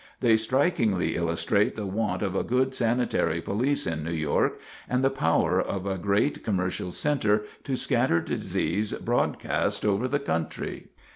They strikingly illustrate the want of a good sanitary police in New York, and the power of a great commercial centre to scatter disease broadcast over the country.